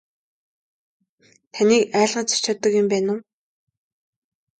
Таныг айлгаж цочоодог юм байна уу.